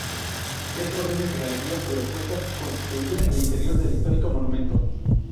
Tres órdenes de galerías sobrepuestas, constituían el interior del histórico monumento.